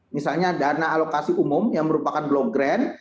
misalnya dana alokasi umum yang merupakan block grant